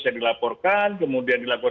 yang dilaporkan kemudian dilakukan